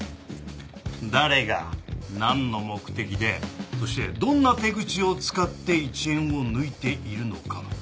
誰がなんの目的でそしてどんな手口を使って１円を抜いているのか？